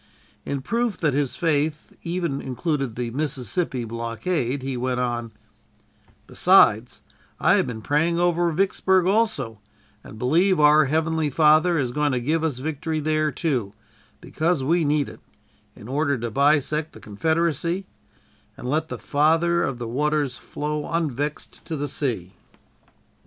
In proof that his faith even included the Mississippi blockade he went on: "Besides, I have been praying over Vicksburg also, and believe our Heavenly Father is going to give us victory there, too, because we need it, in order to bisect the Confederacy, and let 'the Father of Waters flow unvexed to the sea.'"